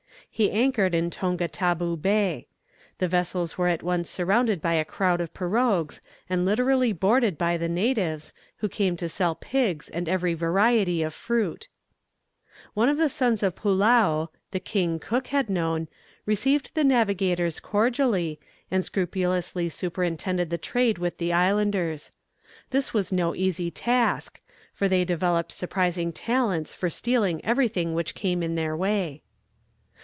He anchored in Tonga Tabou Bay. The vessels were at once surrounded by a crowd of pirogues, and literally boarded by the natives, who came to sell pigs and every variety of fruit. [Footnote 4: Fifth month of French Republican calendar.] One of the sons of Poulao, the king Cook had known, received the navigators cordially, and scrupulously superintended the trade with the islanders. This was no easy task, for they developed surprising talents for stealing everything which came in their way.